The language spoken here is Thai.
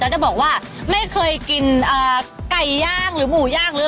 นี่นี่นี่นี่นี่